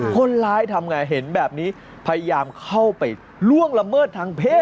คนร้ายทำไงเห็นแบบนี้พยายามเข้าไปล่วงละเมิดทางเพศ